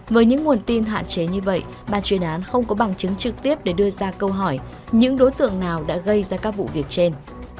với những nguồn tin hạn chế như vậy bà chuyên án không có bằng chứng trực tiếp để đưa ra câu hỏi những đối tượng nào đã gây ra các vụ việc trên